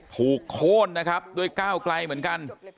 โค้นนะครับด้วยก้าวไกลเหมือนกัน